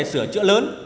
để làm sửa chữa lớn